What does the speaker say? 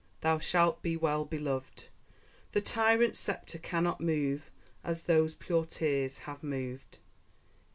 Thou shalt be well beloved! The tyrant's sceptre cannot move, As those pure tears have moved!